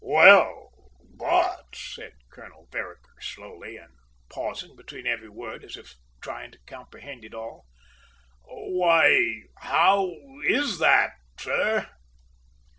"Well, but " said Colonel Vereker slowly, and pausing between every word as if trying to comprehend it all. "Why, how is that, sir?"